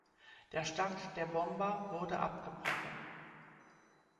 Der Start der Bomber wurde abgebrochen.